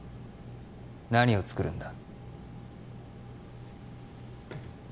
何を作るんだ？